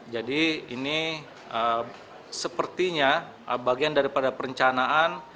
jadi ini sepertinya bagian daripada perencanaan